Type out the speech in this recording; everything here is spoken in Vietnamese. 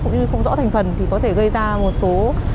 cũng như không rõ thành phần thì có thể gây ra một số